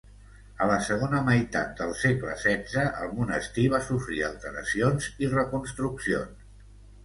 A la segona meitat del segle XVI el monestir va sofrir alteracions i reconstruccions.